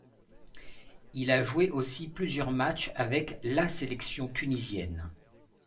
Il a joué aussi plusieurs matchs avec la sélection tunisienne.